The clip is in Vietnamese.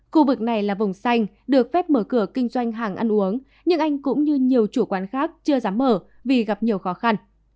khu vực này là vùng xanh được phép mở cửa kinh doanh hàng ăn uống nhưng anh cũng như nhiều chủ quán khác chưa dám mở vì gặp nhiều khó khăn